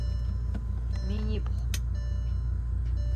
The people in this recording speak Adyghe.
Minibğu.